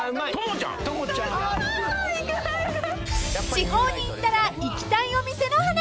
［地方に行ったら行きたいお店の話］